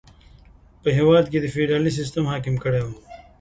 په هېواد کې فیوډالي سیستم حاکم کړی و.